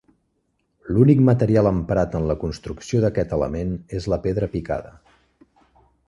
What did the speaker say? L'únic material emprat en la construcció d'aquest element és la pedra picada.